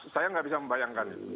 saya tidak bisa membayangkan itu